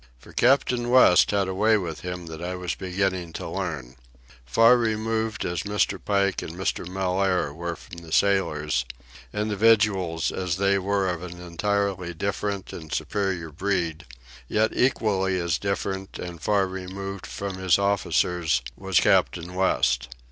For Captain West had a way with him that I was beginning to learn. Far removed as Mr. Pike and Mr. Mellaire were from the sailors, individuals as they were of an entirely different and superior breed, yet equally as different and far removed from his officers was Captain West.